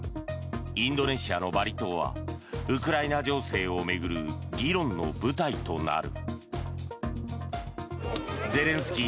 インドネシアのバリ島はウクライナ情勢を巡る議論の舞台となる。